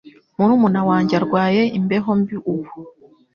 Murumuna wanjye arwaye imbeho mbi ubu.